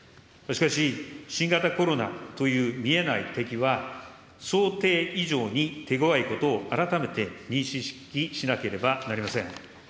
しかし、新型コロナという見えない敵は、想定以上に手ごわいことを改めて認識しなければなりません。